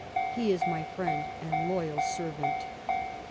He is my friend and loyal servant."